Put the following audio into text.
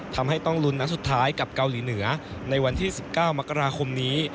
ทำให้ต้องลุ้นนัดสุดท้ายกับเกาหลีเหนือในวันที่๑๙มกราคมนี้